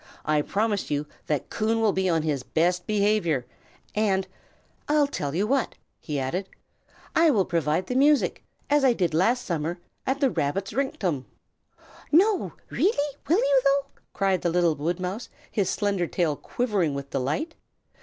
I promise you that Coon shall be on his very best behavior, and I'll tell you what!" he added, "I will provide the music, as I did last summer, at the Rabbit's Rinktum." "No, not really! will you, though?" cried the little woodmouse, his slender tail quivering with delight.